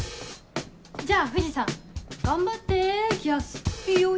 じゃあ藤さん頑張って来やす。よ